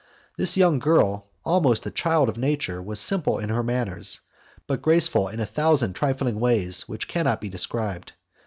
This young girl, almost a child of nature, was simple in her manners, but graceful in a thousand trifling ways which cannot be described.